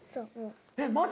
えっマジ